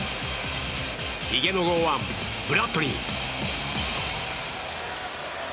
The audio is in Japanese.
ひげの剛腕、ブラッドリー。